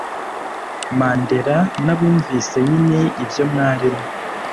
Mandela nabumvise nyine ibyo mwarimo